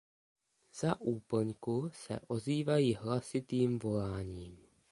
Za úplňku se ozývají hlasitým voláním.